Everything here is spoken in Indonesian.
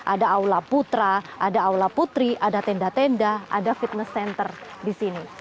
ada aula putra ada aula putri ada tenda tenda ada fitness center di sini